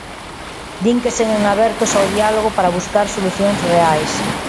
Din que seguen abertos ao diálogo para buscar solucións reais.